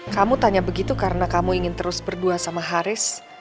kamu tanya begitu karena kamu ingin terus berdua sama haris